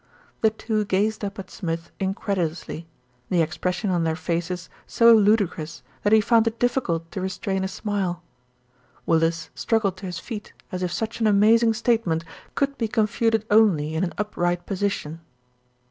The two gazed up at Smith incredulously, the ex pression on their faces so ludicrous that he found it difficult to restrain a smile. Willis struggled to his feet, as if such an amazing statement could be con futed only in an upright position.